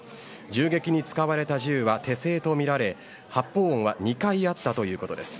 銃撃に使われた銃は手製とみられ発砲音は２回あったということです。